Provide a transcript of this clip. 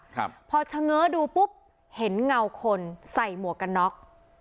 ครับพอเฉง้อดูปุ๊บเห็นเงาคนใส่หมวกกันน็อก